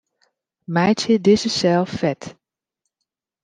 Meitsje dizze sel fet.